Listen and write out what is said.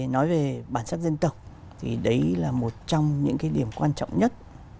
nói về bản sắc dân tộc thì đấy là một trong những điểm quan trọng nhất